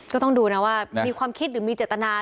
ก็ต้องดูนะว่ามีความคิดหรือมีเจตนา